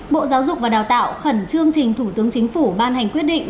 bộ giáo dục và đào tạo khẩn trương trình thủ tướng chính phủ ban hành quyết định